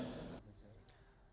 selama selama